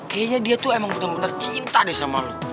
kayaknya dia tuh emang bener bener cinta deh sama lo